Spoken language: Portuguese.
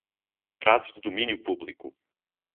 Frases de domínio público